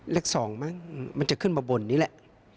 เลข๒มั้งมันจะขึ้นมาบนนี้แหละ